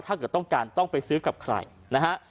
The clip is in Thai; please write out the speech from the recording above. ถ้าเกิดต้องการต้องไปซื้อกับใครนะฮะ